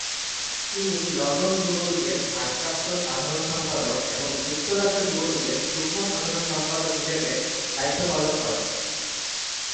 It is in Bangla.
তিনি লন্ডন যুবলীগের ভারপ্রাপ্ত সাধারণ সম্পাদক এবং যুক্তরাজ্য যুবলীগের যুগ্ম সাধারণ সম্পাদক হিসেবে দায়িত্ব পালন করেন।